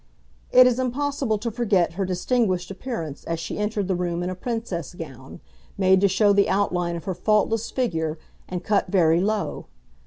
It is impossible to forget her distinguished appearance as she entered the room in a princess gown, made to show the outline of her faultless figure, and cut very low.